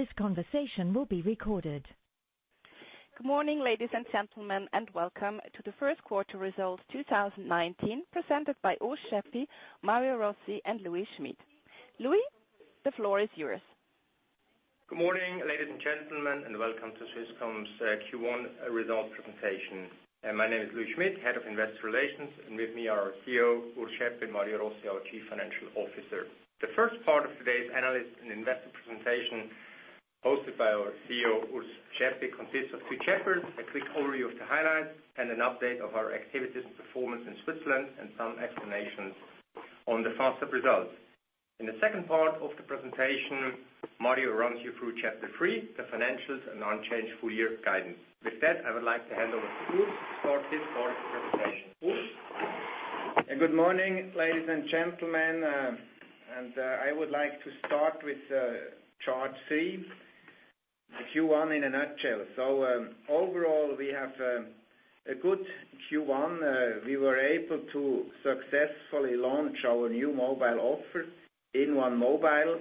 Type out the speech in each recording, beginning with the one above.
This conversation will be recorded. Good morning, ladies and gentlemen, welcome to the first quarter results 2019 presented by Urs Schaeppi, Mario Rossi and Louis Schmid. Louis, the floor is yours. Good morning, ladies and gentlemen, welcome to Swisscom's Q1 results presentation. My name is Louis Schmid, head of investor relations, and with me are our CEO, Urs Schaeppi, and Mario Rossi, our Chief Financial Officer. The first part of today's analyst and investor presentation, hosted by our CEO, Urs Schaeppi, consists of three chapters: a quick overview of the highlights, and an update of our activities and performance in Switzerland, and some explanations on the Fastweb results. In the second part of the presentation, Mario runs you through chapter three, the financials and unchanged full-year guidance. With that, I would like to hand over to Urs to start his part of the presentation. Urs? Good morning, ladies and gentlemen. I would like to start with chart C, the Q1 in a nutshell. Overall, we have a good Q1. We were able to successfully launch our new mobile offer inOne mobile.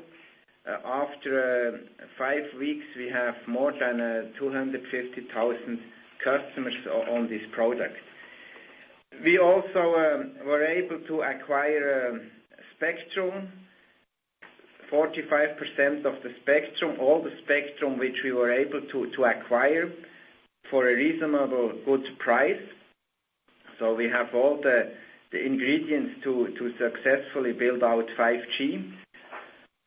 After five weeks, we have more than 250,000 customers on this product. We also were able to acquire spectrum, 45% of the spectrum, all the spectrum which we were able to acquire for a reasonably good price. We have all the ingredients to successfully build out 5G.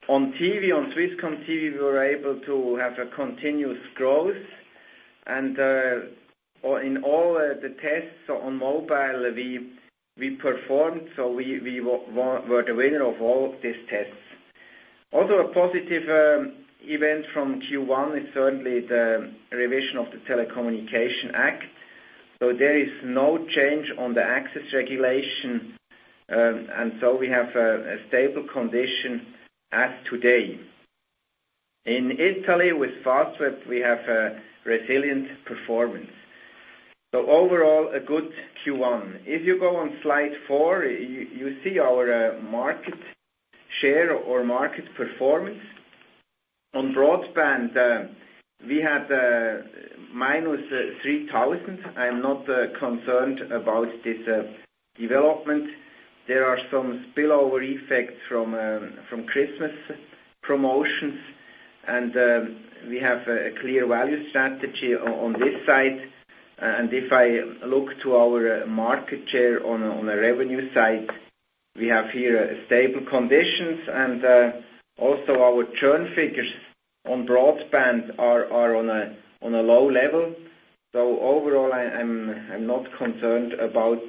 On Swisscom TV, we were able to have a continuous growth. In all the tests on mobile, we performed. We were the winner of all these tests. Also a positive event from Q1 is certainly the revision of the Telecommunications Act. There is no change on the access regulation, we have a stable condition as today. In Italy, with Fastweb, we have a resilient performance. Overall, a good Q1. On slide 4, you see our market share or market performance. On broadband, we had minus 3,000. I am not concerned about this development. There are some spillover effects from Christmas promotions. We have a clear value strategy on this side. If I look to our market share on the revenue side, we have here stable conditions. Also our churn figures on broadband are on a low level. Overall, I'm not concerned about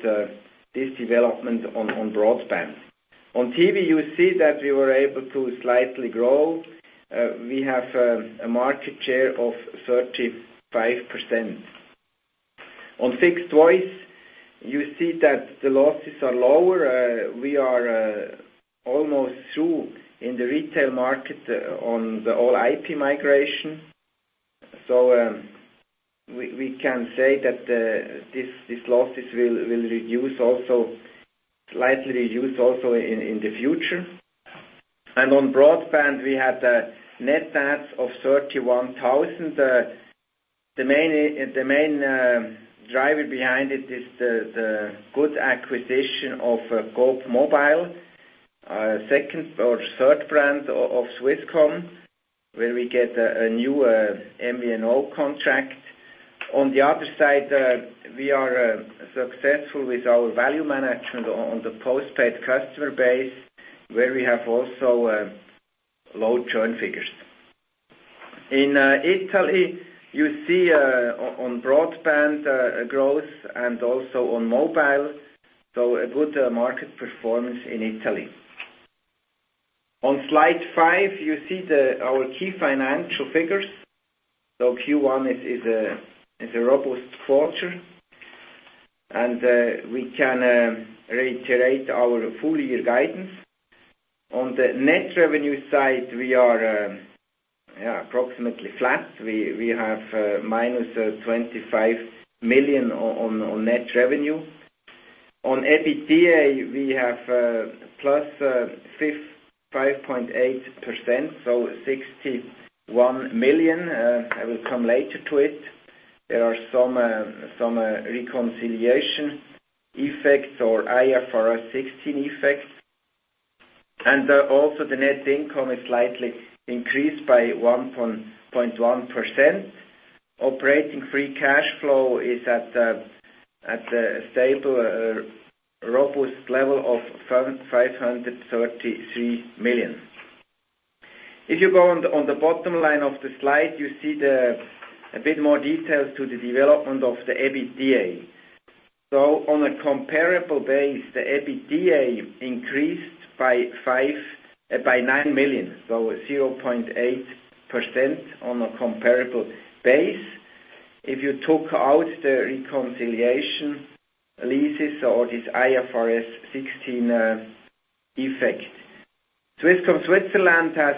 this development on broadband. On TV, you see that we were able to slightly grow. We have a market share of 35%. On fixed voice, you see that the losses are lower. We are almost through in the retail market on the All-IP migration. We can say that these losses will slightly reduce also in the future. On broadband, we had a net add of 31,000. The main driver behind it is the good acquisition of Coop Mobile, our third brand of Swisscom, where we get a new MVNO contract. On the other side, we are successful with our value management on the postpaid customer base, where we have also low churn figures. In Italy, you see on broadband growth and also on mobile. A good market performance in Italy. On slide 5, you see our key financial figures. Q1 is a robust quarter. We can reiterate our full-year guidance. On the net revenue side, we are approximately flat. We have minus 25 million on net revenue. On EBITDA, we have plus 5.8%, so 61 million. I will come later to it. There are some reconciliation effects or IFRS 16 effects. Also the net income is slightly increased by 1.1%. Operating free cash flow is at a stable, robust level of 533 million. If you go on the bottom line of the slide, you see a bit more details to the development of the EBITDA. On a comparable base, the EBITDA increased by 9 million, so 0.8% on a comparable base if you took out the reconciliation leases or this IFRS 16 effect. Swisscom Switzerland has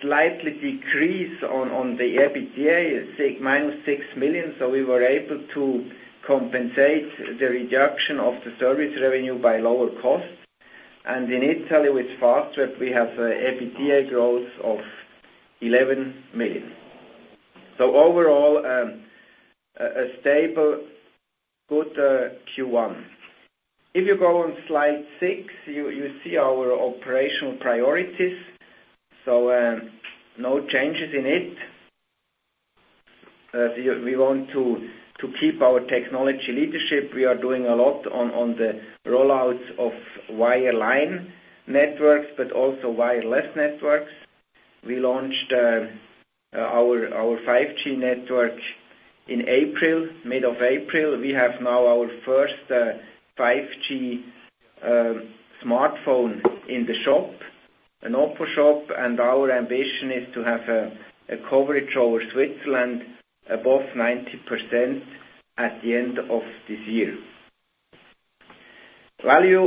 slightly decreased on the EBITDA, minus 6 million. We were able to compensate the reduction of the service revenue by lower costs. In Italy with Fastweb, we have EBITDA growth of 11 million. Overall, a stable good Q1. On slide 6, you see our operational priorities. No changes in it. We want to keep our technology leadership. We are doing a lot on the roll-outs of wireline networks, but also wireless networks. We launched our 5G network in mid of April. We have now our first 5G smartphone in the shop, an Oppo shop. Our ambition is to have a coverage over Switzerland above 90% at the end of this year. Value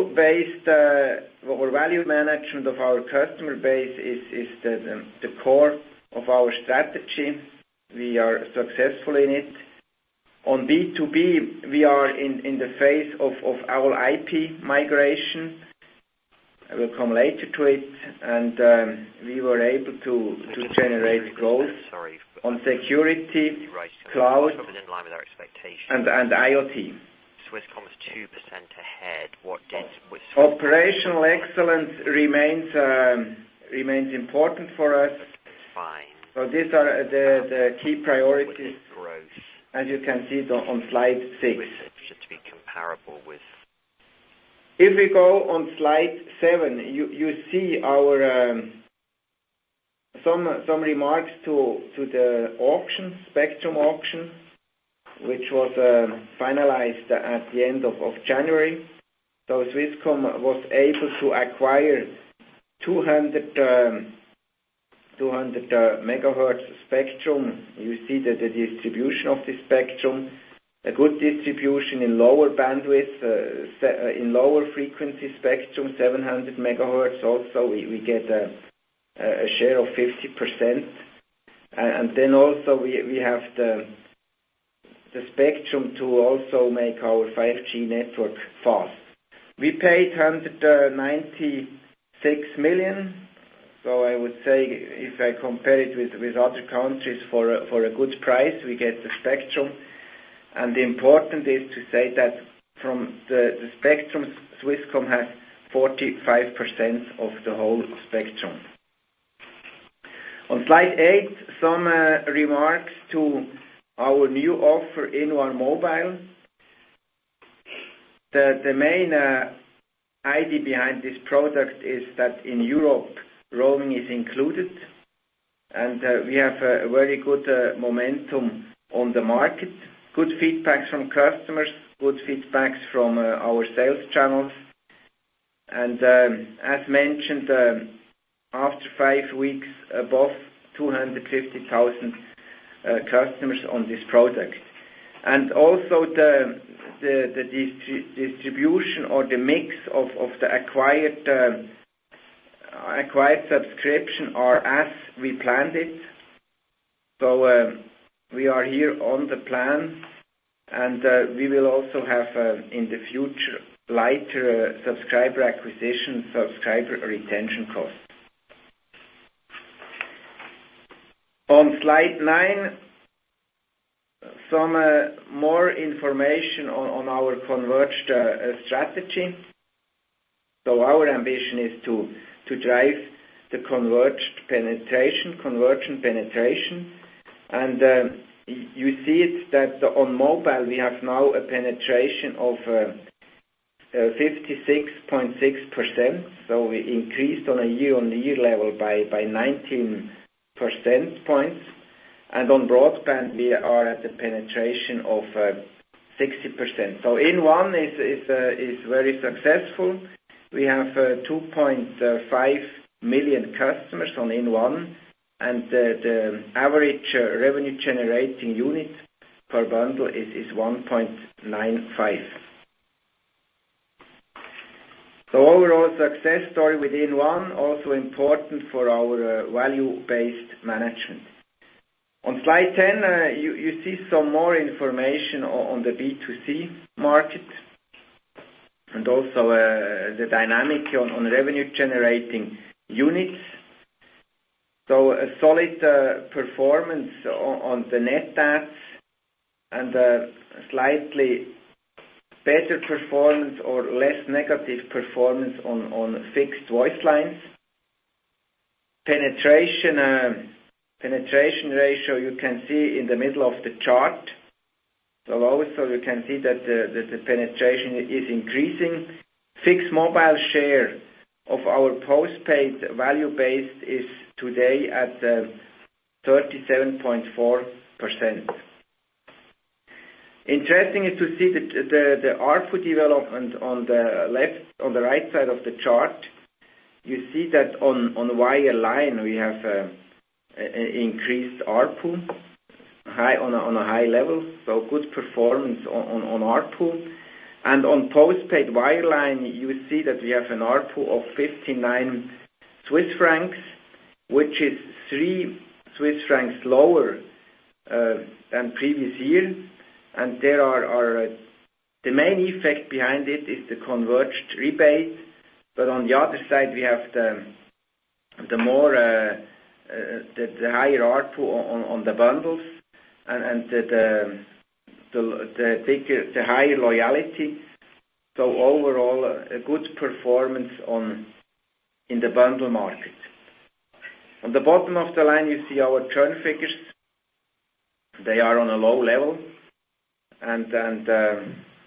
management of our customer base is the core of our strategy. We are successful in it. On B2B, we are in the phase of our IP migration. I will come later to it. We were able to generate growth. Sorry on security. Was in line with our expectations. IoT. Swisscom is 2% ahead. Operational excellence remains important for us. Okay, fine. These are the key priorities. With this growth. As you can see on slide six. Just to be comparable with. If we go on slide seven, you see some remarks to the spectrum auction, which was finalized at the end of January. Swisscom was able to acquire 200 megahertz spectrum. You see that the distribution of the spectrum, a good distribution in lower bandwidth, in lower frequency spectrum, 700 megahertz also, we get a share of 50%. Then also we have the spectrum to also make our 5G network fast. We paid 196 million. I would say if I compare it with other countries, for a good price, we get the spectrum. Important is to say that from the spectrum, Swisscom has 45% of the whole spectrum. On slide eight, some remarks to our new offer inOne mobile. The main idea behind this product is that in Europe, roaming is included. We have a very good momentum on the market. Good feedbacks from customers. Good feedbacks from our sales channels. As mentioned, after five weeks, above 250,000 customers on this product. Also the distribution or the mix of the acquired subscription are as we planned it. We are here on the plan, we will also have, in the future, lighter subscriber acquisition, subscriber retention costs. On slide nine, some more information on our converged strategy. Our ambition is to drive the convergent penetration. You see it that on mobile we have now a penetration of 56.6%. We increased on a year-on-year level by 19%. On broadband, we are at the penetration of 60%. inOne is very successful. We have 2.5 million customers on inOne, and the average revenue generating unit per bundle is 1.95. Overall success story with inOne, also important for our value-based management. On slide 10, you see some more information on the B2C market and also the dynamic on revenue generating units. A solid performance on the net adds and a slightly better performance or less negative performance on fixed voice lines. Penetration ratio, you can see in the middle of the chart. Always you can see that the penetration is increasing. Fixed mobile share of our postpaid value-based is today at 37.4%. Interesting is to see the ARPU development on the right side of the chart. You see that on wireline we have increased ARPU on a high level, good performance on ARPU. On postpaid wireline, you see that we have an ARPU of 59 Swiss francs. Which is 3 Swiss francs lower than previous year. The main effect behind it is the converged rebate. On the other side, we have the higher ARPU on the bundles, and the higher loyalty. Overall, a good performance in the bundle market. On the bottom of the line, you see our churn figures. They are on a low level and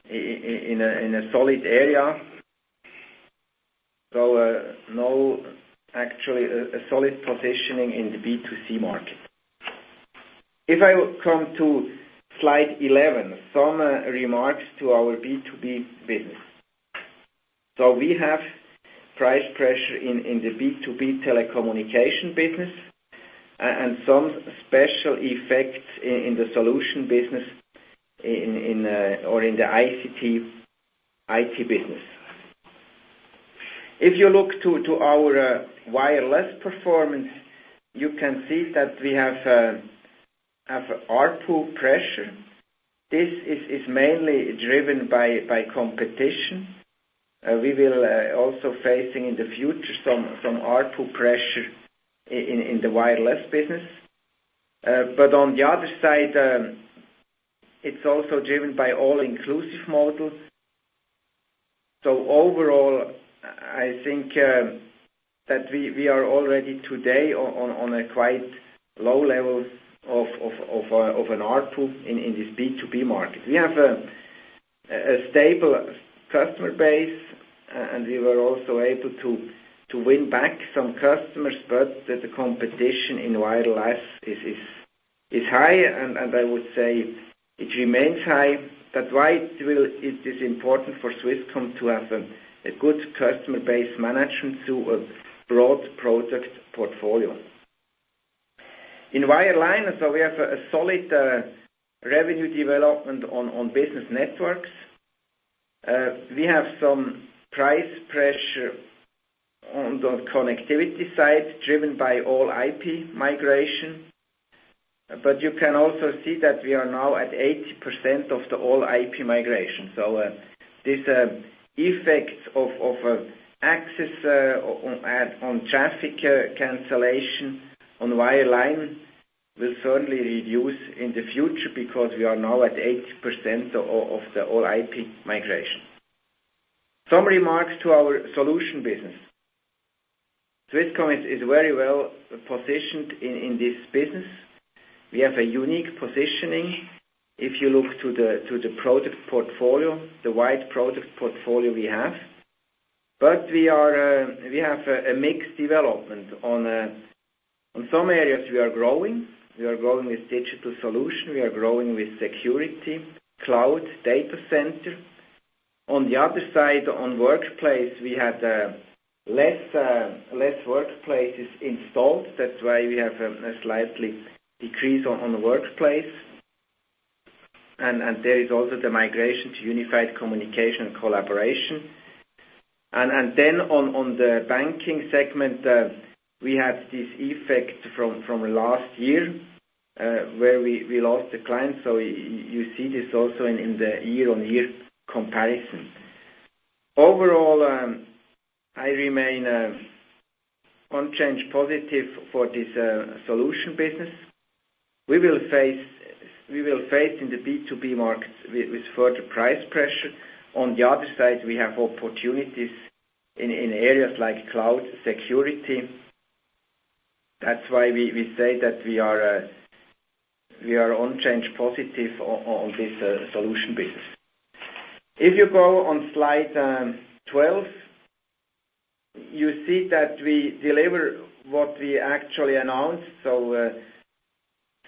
in a solid area. Actually, a solid positioning in the B2C market. If I come to slide 11. Some remarks to our B2B business. We have price pressure in the B2B telecommunication business, and some special effects in the solution business or in the ICT IT business. If you look to our wireless performance, you can see that we have ARPU pressure. This is mainly driven by competition. We will also facing in the future some ARPU pressure in the wireless business. On the other side, it's also driven by all-inclusive models. Overall, I think that we are already today on a quite low level of an ARPU in this B2B market. We have a stable customer base, and we were also able to win back some customers. The competition in wireless is high, and I would say it remains high. That's why it is important for Swisscom to have a good customer base management through a broad product portfolio. In wireline, so we have a solid revenue development on business networks. We have some price pressure on the connectivity side, driven by All-IP migration. You can also see that we are now at 80% of All-IP migration. This effect of access on traffic cancellation on wireline will certainly reduce in the future because we are now at 80% of the All-IP migration. Some remarks to our solution business. Swisscom is very well positioned in this business. We have a unique positioning. If you look to the product portfolio, the wide product portfolio we have. We have a mixed development. On some areas, we are growing. We are growing with digital solution. We are growing with security, cloud, data center. On the other side, on workplace, we had less workplaces installed. That's why we have a slight decrease on the workplace. There is also the migration to unified communication and collaboration. On the banking segment, we have this effect from last year, where we lost a client. You see this also in the year-on-year comparison. Overall, I remain unchanged positive for this solution business. We will face in the B2B markets with further price pressure. On the other side, we have opportunities in areas like cloud security. That's why we say that we are unchanged positive on this solution business. If you go on slide 12, you see that we deliver what we actually announced.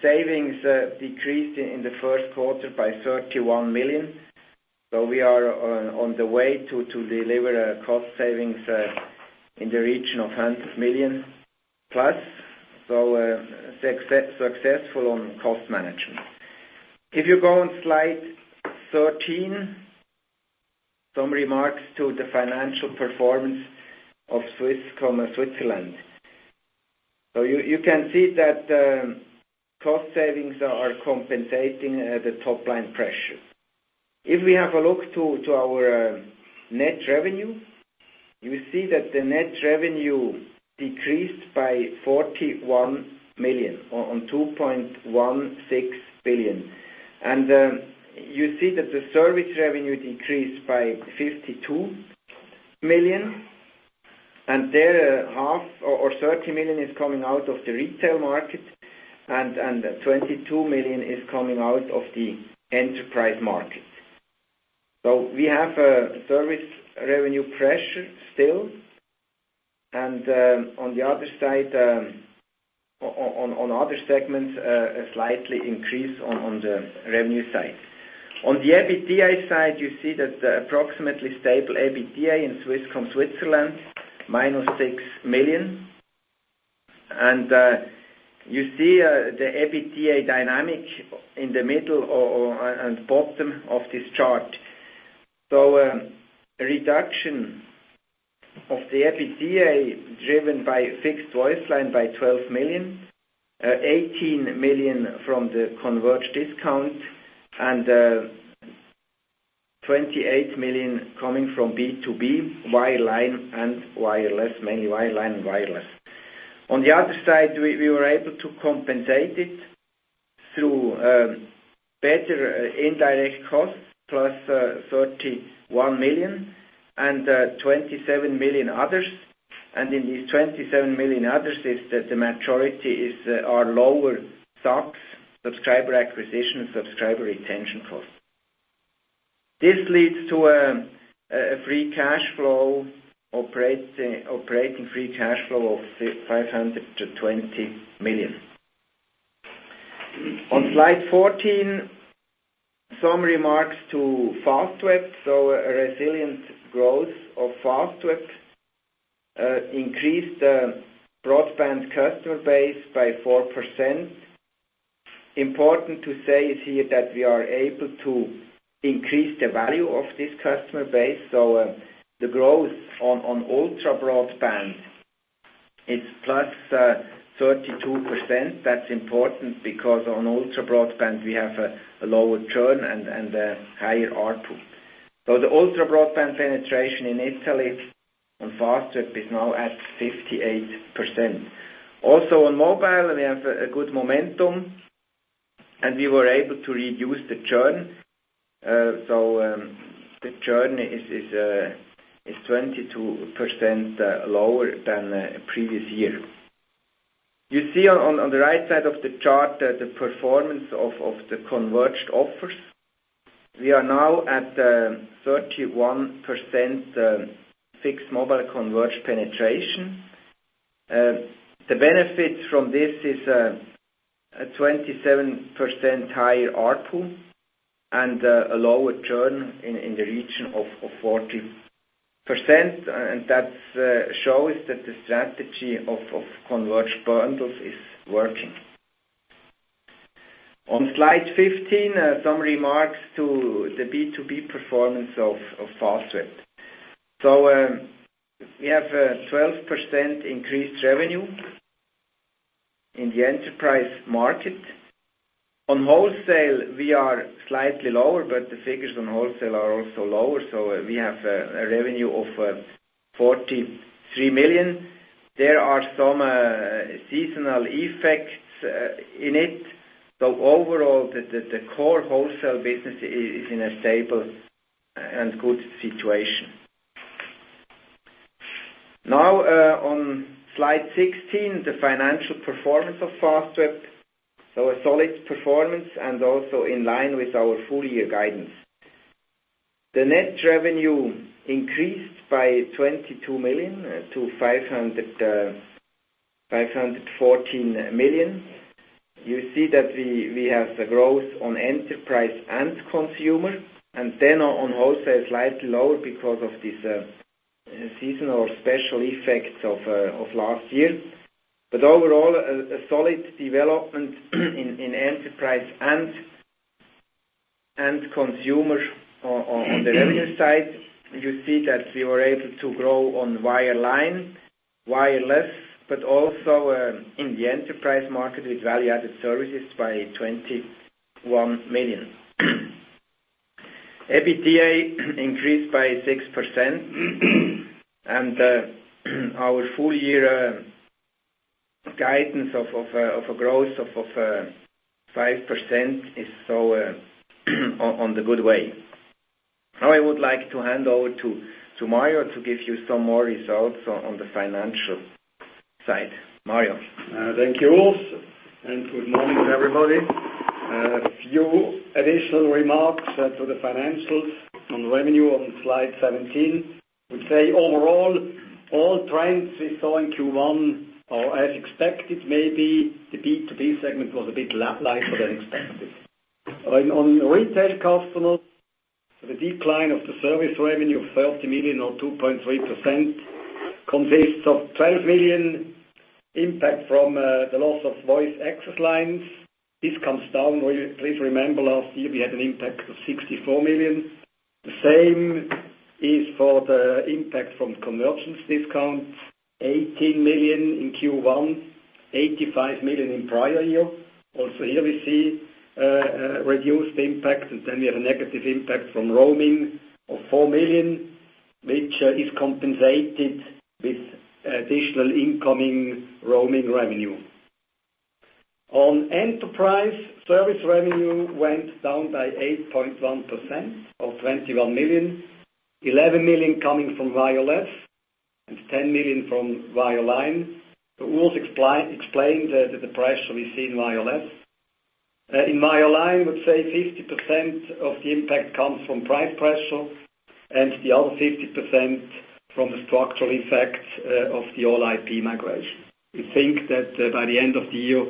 Savings decreased in the first quarter by 31 million. We are on the way to deliver cost savings in the region of 100 million plus. Successful on cost management. If you go on slide 13, some remarks to the financial performance of Swisscom Switzerland. You can see that cost savings are compensating the top-line pressure. If we have a look to our net revenue, you will see that the net revenue decreased by 41 million on 2.16 billion. You see that the service revenue decreased by 52 million, and there, half or 30 million is coming out of the retail market, and 22 million is coming out of the enterprise market. We have a service revenue pressure still. On the other side, on other segments, a slight increase on the revenue side. On the EBITDA side, you see that approximately stable EBITDA in Swisscom Switzerland, minus 6 million. You see the EBITDA dynamic in the middle and bottom of this chart. A reduction of the EBITDA driven by fixed voice line by 12 million, 18 million from the converged discount, and 28 million coming from B2B wireline and wireless, mainly wireline and wireless. On the other side, we were able to compensate it through better indirect costs, plus 31 million and 27 million others. In these 27 million others, the majority are lower SACs, subscriber acquisition, subscriber attention costs. This leads to an operating free cash flow of 520 million. On slide 14, some remarks to Fastweb. A resilient growth of Fastweb increased the broadband customer base by 4%. Important to say here that we are able to increase the value of this customer base. The growth on ultra broadband is plus 32%. That's important because on ultra broadband, we have a lower churn and a higher ARPU. The ultra broadband penetration in Italy on Fastweb is now at 58%. Also on mobile, we have a good momentum, and we were able to reduce the churn. The churn is 22% lower than previous year. You see on the right side of the chart that the performance of the converged offers. We are now at 31% fixed mobile converged penetration. The benefit from this is a 27% higher ARPU and a lower churn in the region of 40%. That shows that the strategy of converged bundles is working. On slide 15, some remarks to the B2B performance of Fastweb. We have a 12% increased revenue in the enterprise market. On wholesale, we are slightly lower, but the figures on wholesale are also lower. We have a revenue of 43 million. There are some seasonal effects in it. Overall, the core wholesale business is in a stable and good situation. Now, on slide 16, the financial performance of Fastweb. A solid performance and also in line with our full year guidance. The net revenue increased by 22 million to 514 million. You see that we have the growth on enterprise and consumer, then on wholesale, slightly lower because of these seasonal special effects of last year. Overall, a solid development in enterprise and consumer on the revenue side. You see that we were able to grow on wireline, wireless, but also in the enterprise market with value-added services by 21 million. EBITDA increased by 6%. Our full year guidance of a growth of 5% is on the good way. Now I would like to hand over to Mario to give you some more results on the financial side. Mario. Thank you, Urs, and good morning, everybody. A few additional remarks to the financials on revenue on slide 17, which say overall, all trends we saw in Q1 are as expected, maybe the B2B segment was a bit lighter than expected. On retail customers, the decline of the service revenue of 30 million or 2.3% consists of 12 million impact from the loss of voice access lines. This comes down. Please remember last year we had an impact of 64 million. The same is for the impact from convergence discount, 18 million in Q1, 85 million in prior year. Also here we see a reduced impact. We have a negative impact from roaming of 4 million, which is compensated with additional incoming roaming revenue. On enterprise, service revenue went down by 8.1% or 21 million, 11 million coming from wireless and 10 million from wireline. Urs explained the pressure we see in wireless. In wireline, we'll say 50% of the impact comes from price pressure. The other 50% from the structural effects of the All-IP migration. We think that by the end of the year,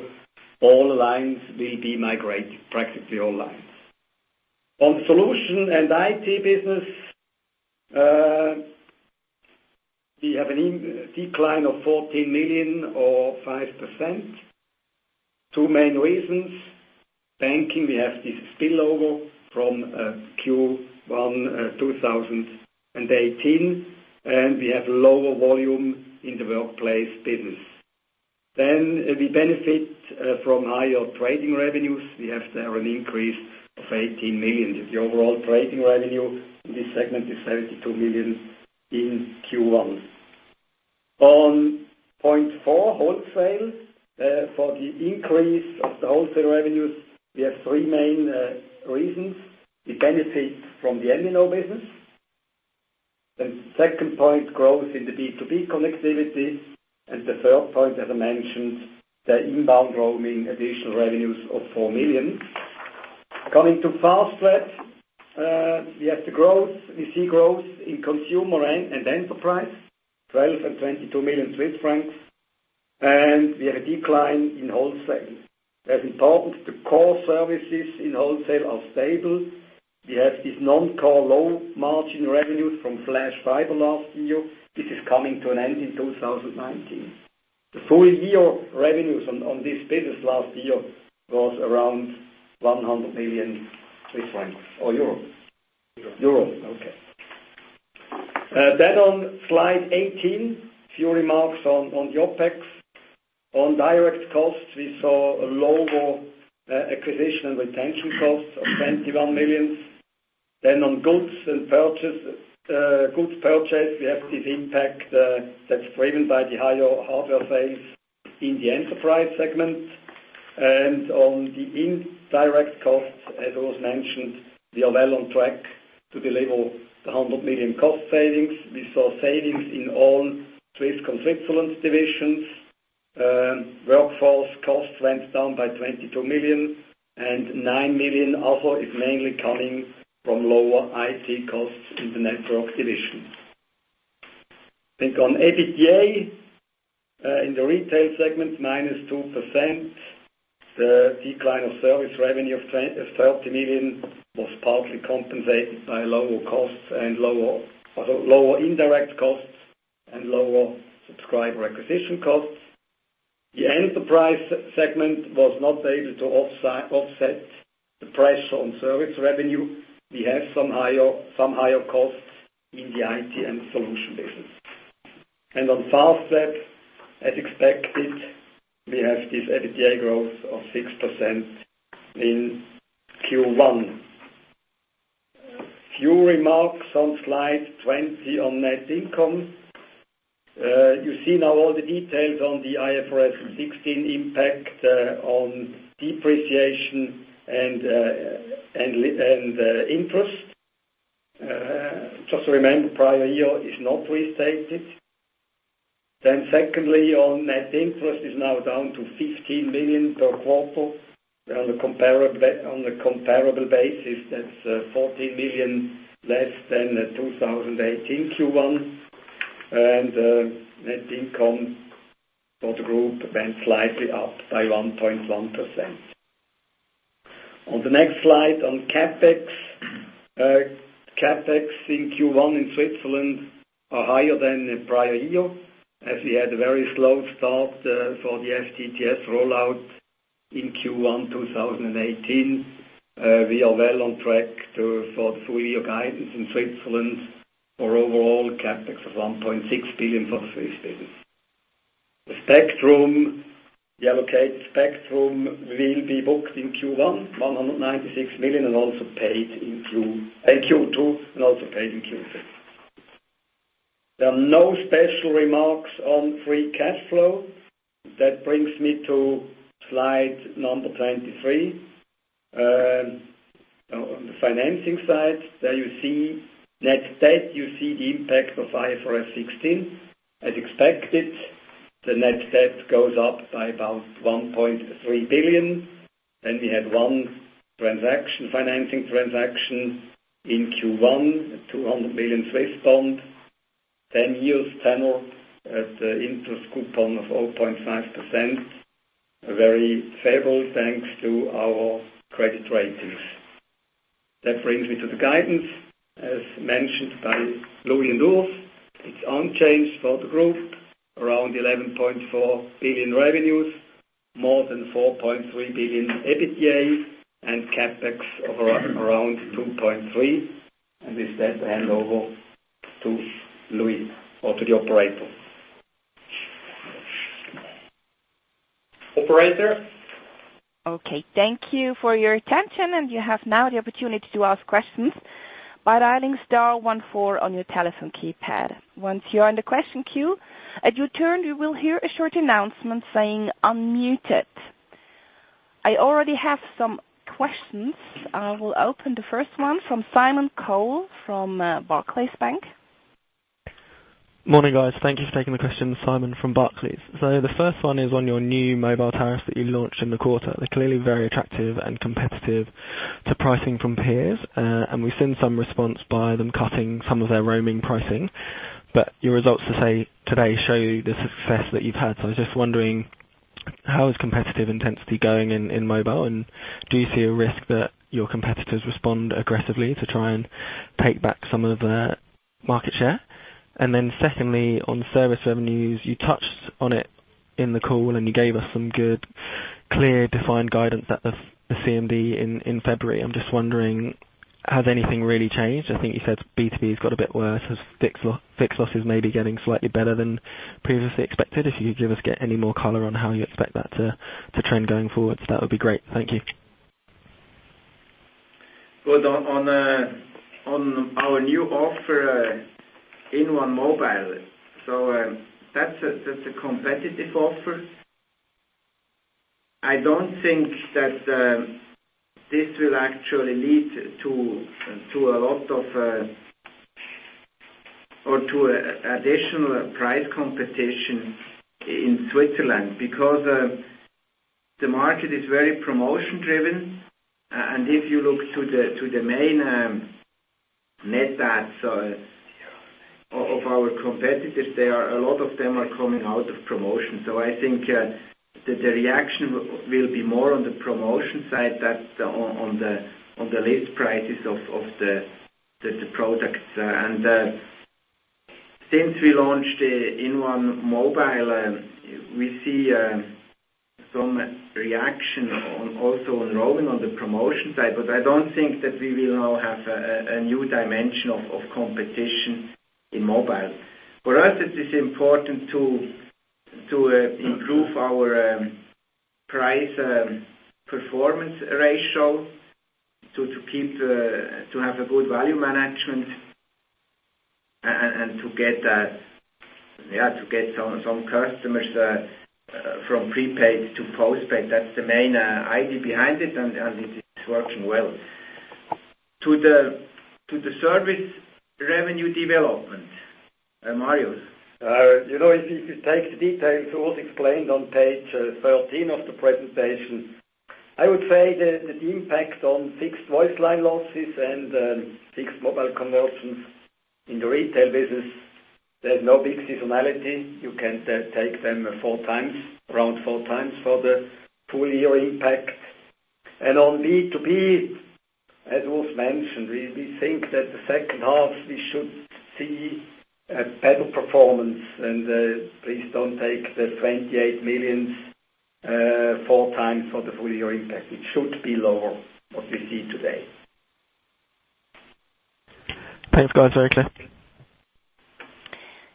all lines will be migrated, practically all lines. On solution and ICT business. We have a decline of 14 million or 5%. Two main reasons. Banking, we have this spillover from Q1 2018. We have lower volume in the workplace business. We benefit from higher trading revenues. We have there an increase of 18 million. The overall trading revenue in this segment is 72 million in Q1. On point four, wholesale. For the increase of the wholesale revenues, we have three main reasons. We benefit from the MVNO business. Second point, growth in the B2B connectivity. The third point, as I mentioned, the inbound roaming additional revenues of 4 million. Coming to Fastweb. We see growth in consumer and enterprise, 12 million and 22 million Swiss francs. We have a decline in wholesale. As important, the core services in wholesale are stable. We have these non-core low margin revenues from Flash Fiber last year. This is coming to an end in 2019. The full year revenues on this business last year was around 100 million Swiss francs or EUR 100 million? Euro. EUR. Okay. On slide 18, a few remarks on OpEx. On direct costs, we saw lower acquisition and retention costs of 21 million. On goods purchased, we have this impact that is driven by the higher hardware sales in the enterprise segment. On the indirect costs, as was mentioned, we are well on track to deliver the 100 million cost savings. We saw savings in all Swisscom divisions. Workforce costs went down by 22 million and 9 million other is mainly coming from lower IT costs in the network division. I think on EBITDA, in the retail segment, -2%. The decline of service revenue of 30 million was partly compensated by lower indirect costs and lower subscriber acquisition costs. The enterprise segment was not able to offset the pressure on service revenue. We have some higher costs in the IT and solution business. On Fastweb, as expected, we have this EBITDA growth of 6% in Q1. A few remarks on slide 20 on net income. You see now all the details on the IFRS 16 impact on depreciation and interest. Just to remind, prior year is not restated. Secondly, on net interest is now down to 15 million per quarter. On a comparable basis, that's 14 million less than 2018 Q1. Net income for the group went slightly up by 1.1%. On the next slide on CapEx. CapEx in Q1 in Switzerland are higher than the prior year. As we had a very slow start for the FTTS rollout in Q1 2018. We are well on track for the full year guidance in Switzerland for overall CapEx of 1.6 billion for the Swiss business. The spectrum we allocated. Spectrum will be booked in Q2, 196 million, and also paid in Q2. There are no special remarks on free cash flow. That brings me to slide 23. On the financing side, there you see net debt. You see the impact of IFRS 16. As expected, the net debt goes up by about 1.3 billion. We had one financing transaction in Q1 at 200 million. 10 years at the interest coupon of 0.5%. Very favorable, thanks to our credit ratings. That brings me to the guidance. As mentioned by Louis and Urs, it's unchanged for the group. Around 11.4 billion revenues, more than 4.3 billion EBITDA, and CapEx of around 2.3 billion. With that, I hand over to Louis or to the operator. Operator? Okay, thank you for your attention. You have now the opportunity to ask questions by dialing star one four on your telephone keypad. Once you are in the question queue, at your turn you will hear a short announcement saying, "Unmuted." I already have some questions. I will open the first one from Simon Cole from Barclays Bank. Morning, guys. Thank you for taking the question. Simon from Barclays. The first one is on your new mobile tariffs that you launched in the quarter. They're clearly very attractive and competitive to pricing from peers. We've seen some response by them cutting some of their roaming pricing. Your results today show the success that you've had. I was just wondering, how is competitive intensity going in mobile, and do you see a risk that your competitors respond aggressively to try and take back some of their market share? Secondly, on service revenues, you touched on it in the call and you gave us some good, clear, defined guidance at the CMD in February. I'm just wondering, has anything really changed? I think you said B2B has got a bit worse as fixed loss is maybe getting slightly better than previously expected. If you could give us any more color on how you expect that to trend going forward, that would be great. Thank you. Well, on our new offer inOne mobile. That's just a competitive offer. I don't think that this will actually lead to a lot of, or to additional price competition in Switzerland because the market is very promotion driven. If you look to the main net adds of our competitors, a lot of them are coming out of promotion. I think that the reaction will be more on the promotion side than on the list prices of the products. Since we launched inOne mobile, we see some reaction also rolling on the promotion side. I don't think that we will now have a new dimension of competition in mobile. For us, it is important to improve our price performance ratio to have a good value management and to get some customers from prepaid to postpaid. That's the main idea behind it, and it is working well. To the service revenue development. Mario. If you take the details, it was explained on page 13 of the presentation. I would say that the impact on fixed voice line losses and fixed mobile conversions in the retail business, there's no big seasonality. You can take them around four times for the full year impact. On B2B, as was mentioned, we think that the second half we should see a better performance. Please don't take the 28 million, four times for the full year impact. It should be lower, what we see today. Thanks, guys. Very clear.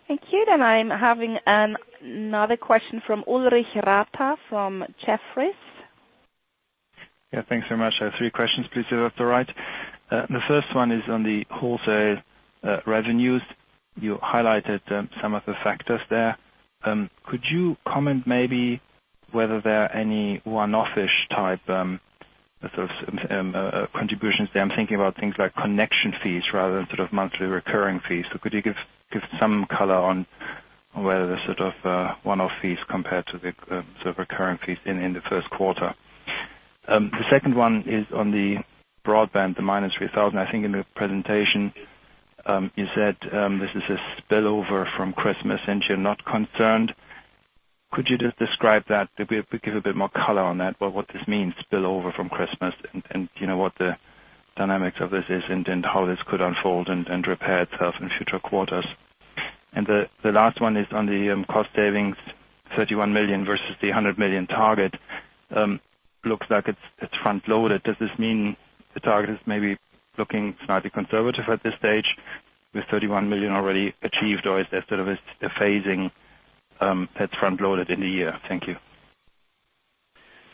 Thank you. I'm having another question from Ulrich Rathe from Jefferies. Thanks very much. I have three questions, please, if that's all right. The first one is on the wholesale revenues. You highlighted some of the factors there. Could you comment maybe whether there are any one-off-ish type of contributions there? I'm thinking about things like connection fees rather than sort of monthly recurring fees. Could you give some color on whether the sort of one-off fees compared to the sort of recurring fees in the first quarter? The second one is on the broadband, the minus 3,000. I think in the presentation, you said this is a spillover from Christmas and you're not concerned. Could you just describe that? Give a bit more color on that, about what this means, spillover from Christmas and what the dynamics of this is and how this could unfold and repair itself in future quarters. The last one is on the cost savings, 31 million versus the 100 million target. Looks like it's front-loaded. Does this mean the target is maybe looking slightly conservative at this stage, with 31 million already achieved, or is there sort of a phasing that's front-loaded in the year? Thank you.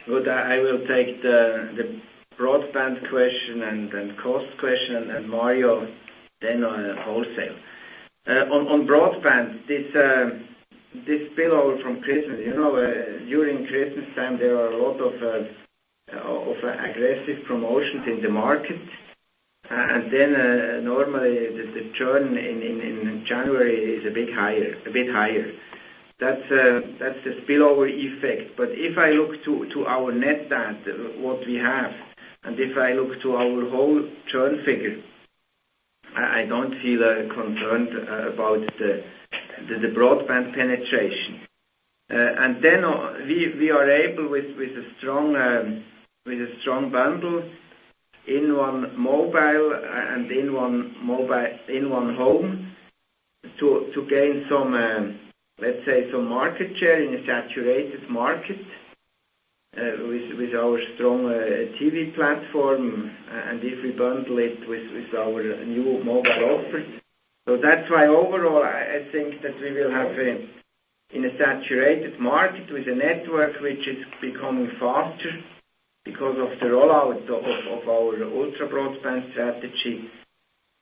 Well, I will take the broadband question and cost question, Mario then on wholesale. On broadband, this spillover from Christmas. During Christmas time, there are a lot of aggressive promotions in the market. Normally, the churn in January is a bit higher. That's the spillover effect. If I look to our net debt, what we have, and if I look to our whole churn figure, I don't feel concerned about the broadband penetration. We are able, with a strong bundle inOne mobile and inOne home, to gain some, let's say, some market share in a saturated market with our strong TV platform and if we bundle it with our new mobile offer. That's why overall, I think that we will have in a saturated market with a network which is becoming faster because of the rollout of our ultra broadband strategy.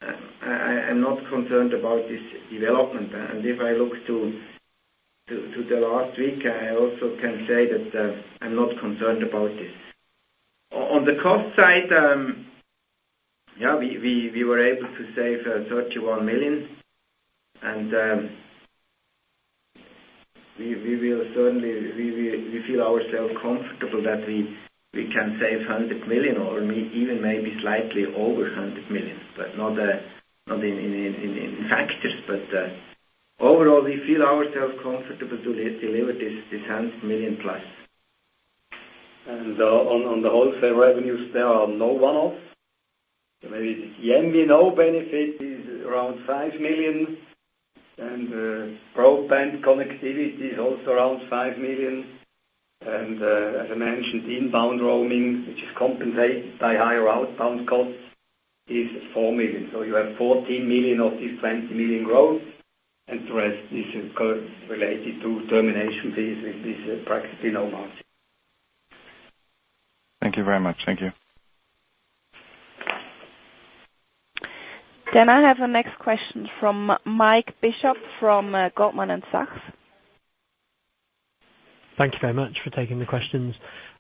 I am not concerned about this development. If I look to the last week, I also can say that I'm not concerned about this. On the cost side, we were able to save 31 million. We feel ourself comfortable that we can save 100 million or even maybe slightly over 100 million, but not in factors. Overall, we feel ourselves comfortable to deliver this 100 million plus. On the wholesale revenues, there are no one-offs. Maybe the MVNO benefit is around 5 million, broadband connectivity is also around 5 million. As I mentioned, inbound roaming, which is compensated by higher outbound costs, is 4 million. You have 14 million of this 20 million growth, and the rest is related to termination fees, and this is practically no margin. Thank you very much. Thank you. I have the next question from Mike Bishop from Goldman Sachs. Thank you very much for taking the questions.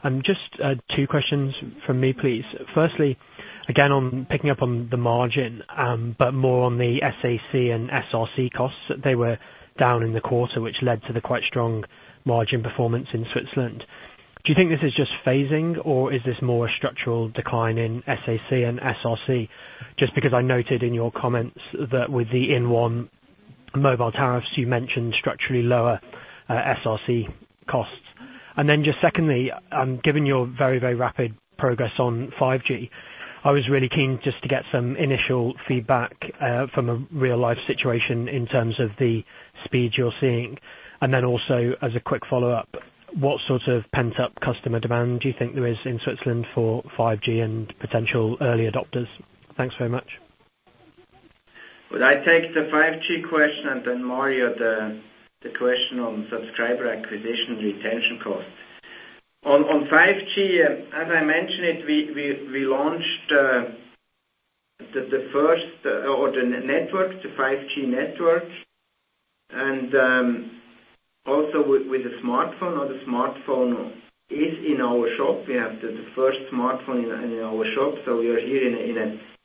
Two questions from me, please. Again, I'm picking up on the margin, but more on the SAC and SRC costs. They were down in the quarter, which led to the quite strong margin performance in Switzerland. Do you think this is just phasing, or is this more a structural decline in SAC and SRC? Because I noted in your comments that with the inOne mobile tariffs, you mentioned structurally lower SRC costs. Secondly, given your very rapid progress on 5G, I was really keen to get some initial feedback from a real-life situation in terms of the speed you're seeing. Also as a quick follow-up, what sort of pent-up customer demand do you think there is in Switzerland for 5G and potential early adopters? Thanks very much. I take the 5G question, and Mario, the question on subscriber acquisition retention costs. On 5G, as I mentioned it, we launched the first network, the 5G network. Also with a smartphone. The smartphone is in our shop. We have the first smartphone in our shop. We are here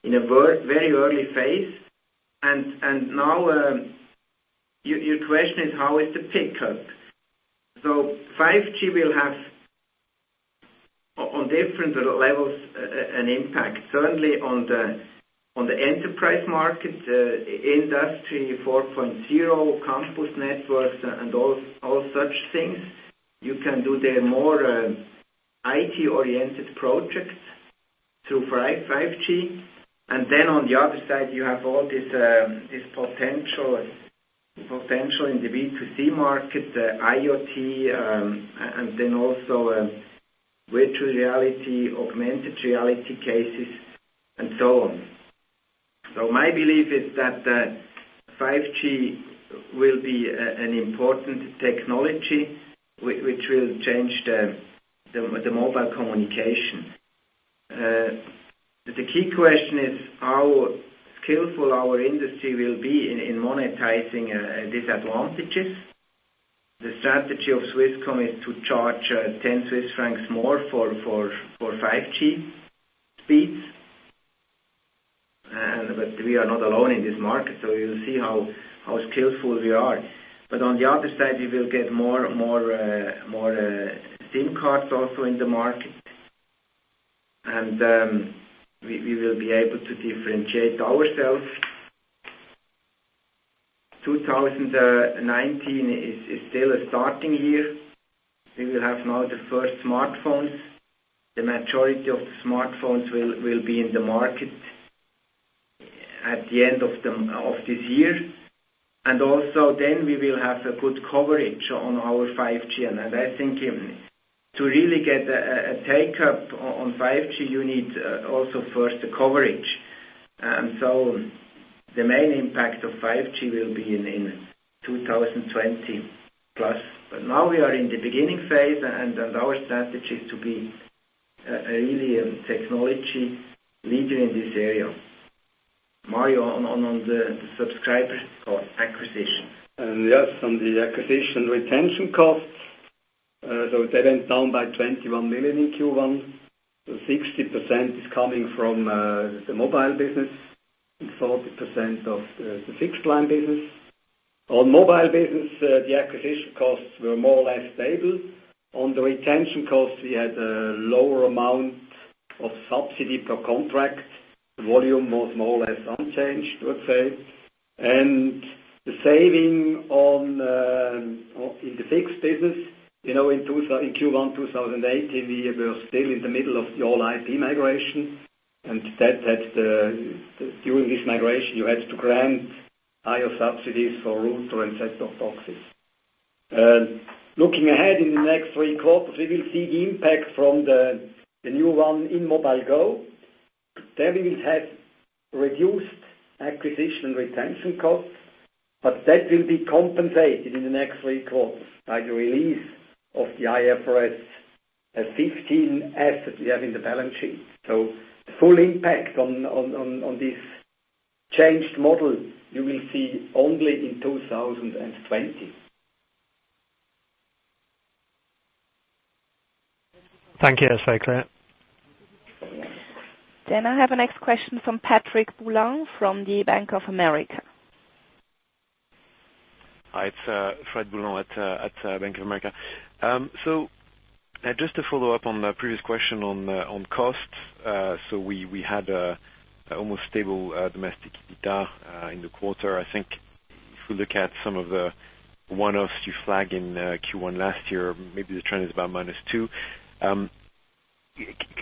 in a very early phase. Your question is how is the pickup? 5G will have, on different levels, an impact. Certainly on the enterprise market, Industry 4.0, campus networks, and all such things. You can do the more IT-oriented projects through 5G. On the other side, you have all this potential in the B2C market, the IoT, and also virtual reality, augmented reality cases, and so on. My belief is that 5G will be an important technology which will change the mobile communication. The key question is how skillful our industry will be in monetizing these advantages. The strategy of Swisscom is to charge 10 Swiss francs more for 5G speeds. We are not alone in this market, so we will see how skillful we are. On the other side, we will get more SIM cards also in the market. We will be able to differentiate ourselves. 2019 is still a starting year. We will have now the first smartphones. The majority of the smartphones will be in the market at the end of this year. Then we will have a good coverage on our 5G. I think to really get a take-up on 5G, you need also first the coverage. The main impact of 5G will be in 2020 plus. Now we are in the beginning phase, and our strategy is to be really a technology leader in this area. Mario, on the subscriber acquisition. On the acquisition retention costs, they went down by 21 million in Q1. 60% is coming from the mobile business and 40% of the fixed line business. On mobile business, the acquisition costs were more or less stable. On the retention costs, we had a lower amount of subsidy per contract. The volume was more or less unchanged, I would say. The saving in the fixed business, in Q1 2018, we were still in the middle of the all-IP migration. During this migration, you had to grant higher subsidies for router and set-top boxes. Looking ahead in the next three quarters, we will see the impact from the inOne mobile go. Then we will have reduced acquisition retention costs, that will be compensated in the next three quarters by the release of the IFRS 15 asset we have in the balance sheet. The full impact on this changed model, you will see only in 2020. Thank you. That's very clear. I have a next question from Frederic Boulan from the Bank of America. Hi, it's Fred Boulan at Bank of America. Just to follow up on the previous question on costs. We had almost stable domestic EBITDA in the quarter, I think. If we look at some of the one-offs you flagged in Q1 last year, maybe the trend is about minus two.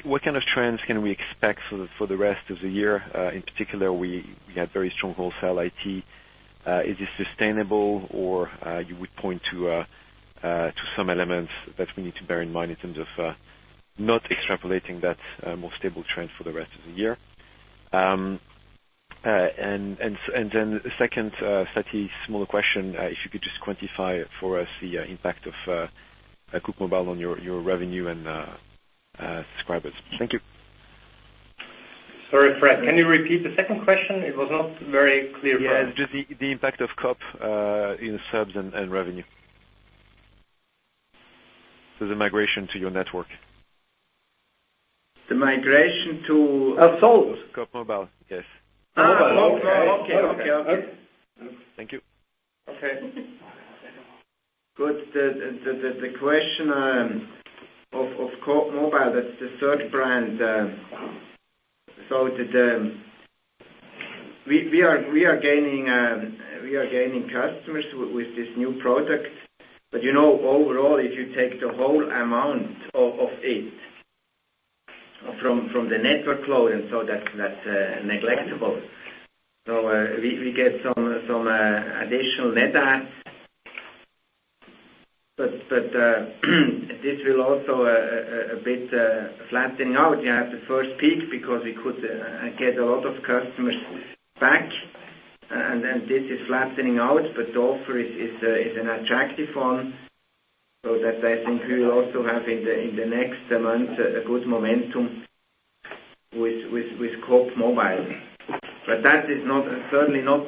What kind of trends can we expect for the rest of the year? In particular, we had very strong wholesale IT. Is this sustainable, or you would point to some elements that we need to bear in mind in terms of not extrapolating that more stable trend for the rest of the year? Second, slightly smaller question, if you could just quantify for us the impact of Coop Mobile on your revenue and subscribers. Thank you. Sorry, Fred. Can you repeat the second question? It was not very clear for us. Just the impact of Coop in subs and revenue. The migration to your network. The migration to? Of sold? Coop Mobile. Yes. Okay. Thank you. Okay. Good. The question of Coop Mobile, that's the third brand. We are gaining customers with this new product. Overall, if you take the whole amount of it from the network load, that's negligible. We get some additional net adds. This will also a bit flattening out. You have the first peak because we could get a lot of customers back, and then this is flattening out, but the offer is an attractive one. That I think we will also have in the next month a good momentum with Coop Mobile. That is certainly not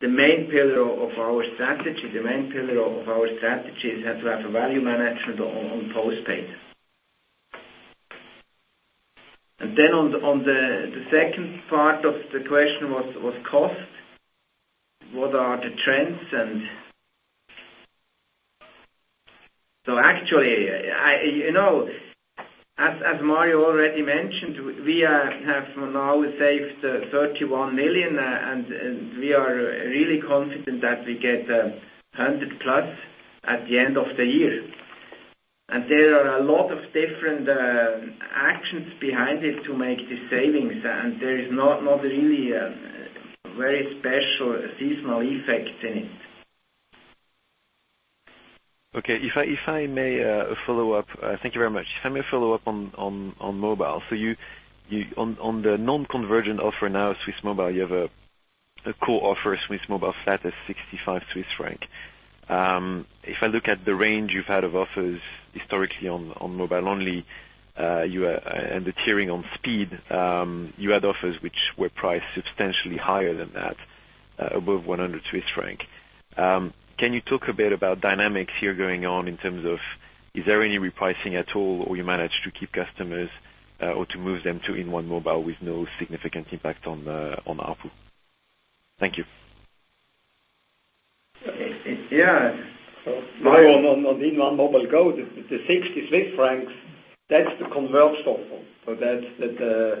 the main pillar of our strategy. The main pillar of our strategy is to have a value management on postpaid. On the second part of the question was cost. What are the trends? Actually, as Mario already mentioned, we have now saved 31 million, and we are really confident that we get 100 plus at the end of the year. There are a lot of different actions behind it to make these savings, and there is not really a very special seasonal effect in it. Okay. If I may follow up. Thank you very much. If I may follow up on mobile. On the non-convergent offer now, Swiss Mobile, you have a core offer, a Swiss Mobile flat at 65 Swiss franc. If I look at the range you've had of offers historically on mobile only, and the tiering on speed, you had offers which were priced substantially higher than that, above 100 Swiss franc. Can you talk a bit about dynamics here going on in terms of, is there any repricing at all, or you managed to keep customers or to move them to inOne Mobile with no significant impact on the ARPU? Thank you. Yeah. On inOne Mobile Go, the 60 Swiss francs, that's the converged offer. That's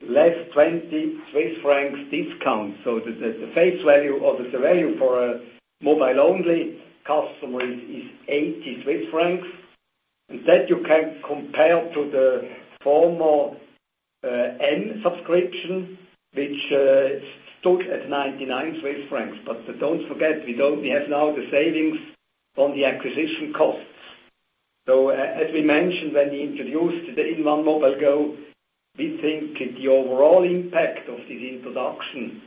less 20 Swiss francs discount. The face value or the value for a mobile-only customer is 80 Swiss francs. That you can compare to the former M subscription, which stood at 99 Swiss francs. Don't forget, we have now the savings on the acquisition costs. As we mentioned when we introduced the inOne Mobile Go, we think the overall impact of this introduction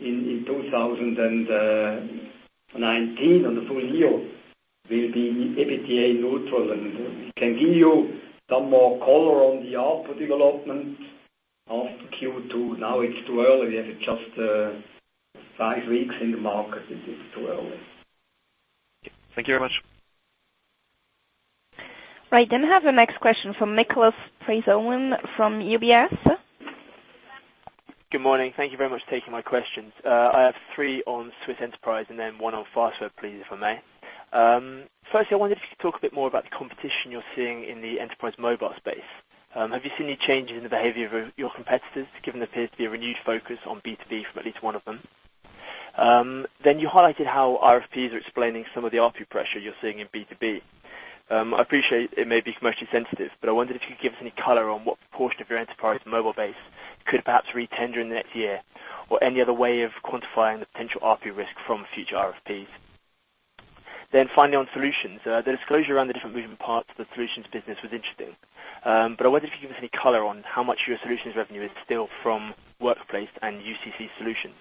in 2019 on the full year will be EBITDA neutral. We can give you some more color on the ARPU development after Q2. Now it's too early. We have just five weeks in the market. It is too early. Thank you very much. We have the next question from Polo Tang from UBS. Good morning. Thank you very much for taking my questions. I have three on Swiss enterprise and one on Fastweb, please, if I may. Firstly, I wonder if you could talk a bit more about the competition you're seeing in the enterprise mobile space. Have you seen any changes in the behavior of your competitors, given there appears to be a renewed focus on B2B from at least one of them? You highlighted how RFPs are explaining some of the ARPU pressure you're seeing in B2B. I appreciate it may be commercially sensitive, but I wondered if you could give us any color on what proportion of your enterprise mobile base could perhaps re-tender in the next year, or any other way of quantifying the potential ARPU risk from future RFPs. Finally, on solutions. The disclosure around the different moving parts of the solutions business was interesting. I wondered if you could give us any color on how much your solutions revenue is still from Workplace and UCC solutions.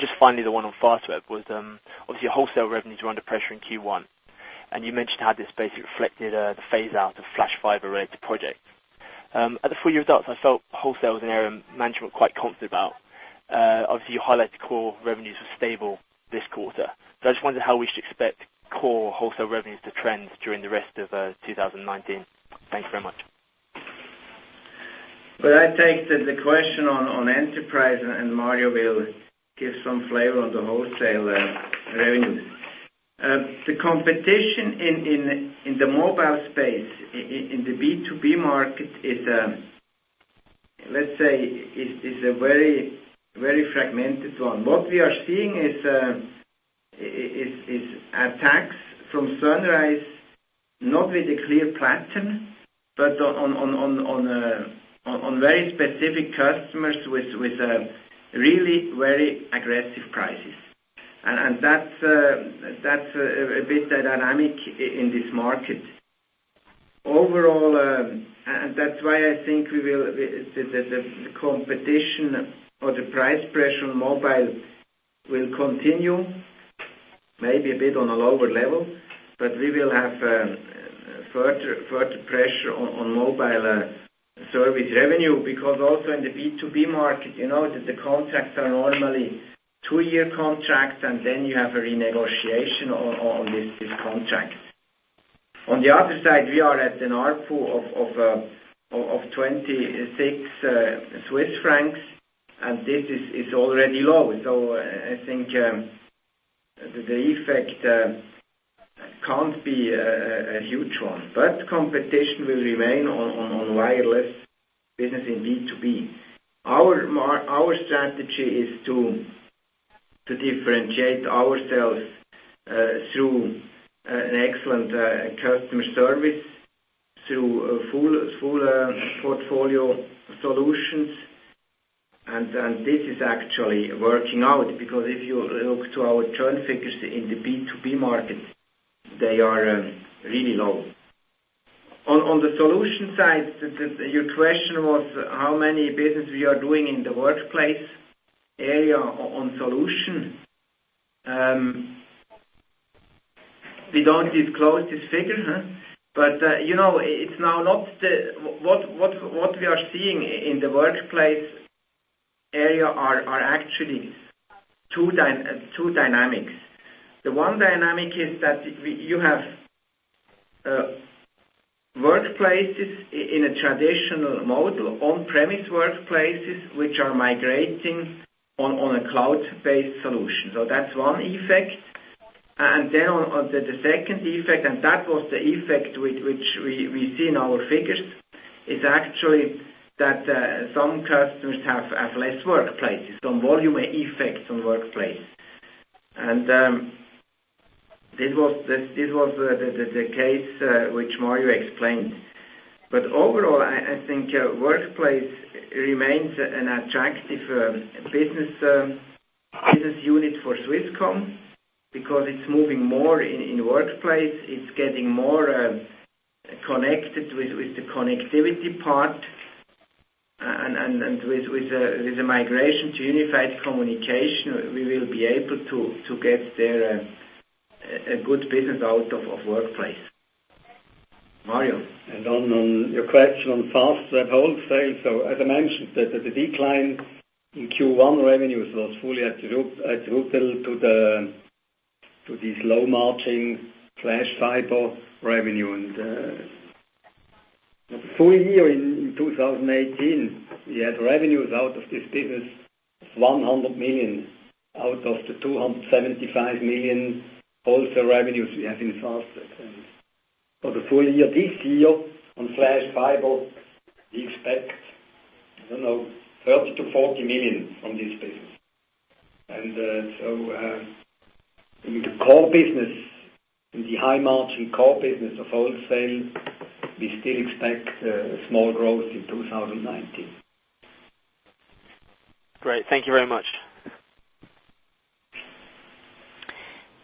Just finally, the one on Fastweb was, obviously, your wholesale revenues were under pressure in Q1. You mentioned how this basically reflected the phase-out of Flash Fiber-related projects. At the full-year results, I felt wholesale was an area management quite confident about. Obviously, you highlight the core revenues are stable this quarter. I just wondered how we should expect core wholesale revenues to trend during the rest of 2019. Thank you very much. Well, I take the question on enterprise, and Mario will give some flavor on the wholesale revenues. The competition in the mobile space in the B2B market is Let's say, is a very fragmented one. What we are seeing is attacks from Sunrise, not with a clear pattern, but on very specific customers with really very aggressive prices. That's a bit the dynamic in this market. Overall, that's why I think the competition or the price pressure on mobile will continue, maybe a bit on a lower level, but we will have further pressure on mobile service revenue, because also in the B2B market, the contracts are normally two-year contracts, and then you have a renegotiation on these contracts. On the other side, we are at an ARPU of 26 Swiss francs, and this is already low. I think the effect can't be a huge one. Competition will remain on wireless business in B2B. Our strategy is to differentiate ourselves through an excellent customer service, through full portfolio solutions. This is actually working out because if you look to our churn figures in the B2B market, they are really low. On the solution side, your question was how many business we are doing in the workplace area on solution. We don't disclose this figure. What we are seeing in the workplace area are actually two dynamics. The one dynamic is that you have workplaces in a traditional model, on-premise workplaces, which are migrating on a cloud-based solution. That's one effect. On the second effect, that was the effect which we see in our figures, is actually that some customers have less workplaces, some volume effects on workplace. This was the case which Mario explained. Overall, I think workplace remains an attractive business unit for Swisscom because it's moving more in workplace. It's getting more connected with the connectivity part. With the migration to unified communication, we will be able to get there a good business out of workplace. Mario? On your question on Fastweb wholesale. As I mentioned, the decline in Q1 revenues was fully attributable to these low-margin Flash Global revenue. The full year in 2018, we had revenues out of this business of 100 million, out of the 275 million wholesale revenues we have in Fastweb. For the full year this year, on Flash Global, we expect, I don't know, 30 million-40 million from this business. In the high-margin core business of wholesale, we still expect a small growth in 2019. Great. Thank you very much.